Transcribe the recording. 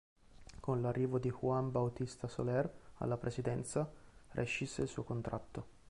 Con l'arrivo di Juan Bautista Soler alla presidenza, rescisse il suo contratto.